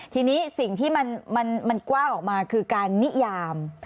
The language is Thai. ทีนี้สิ่งที่มันกว้างออกมาคือการนิยาม